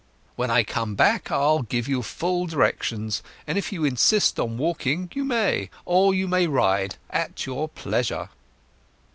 When I come back I'll give you full directions, and if you insist upon walking you may; or you may ride—at your pleasure."